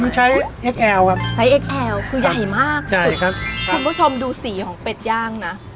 ใช้เอ็กแอลครับใช้เอ็กแอลคือใหญ่มากใหญ่ครับคุณผู้ชมดูสีของเป็ดย่างนะ